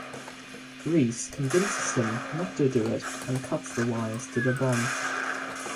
Reese convinces him not do it and cuts the wires to the bomb.